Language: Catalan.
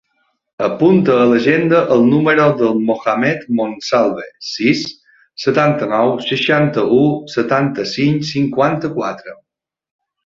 Apunta a l'agenda el número del Mohammed Monsalve: sis, setanta-nou, seixanta-u, setanta-cinc, cinquanta-quatre.